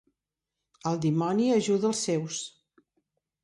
El dimoni ajuda els seus.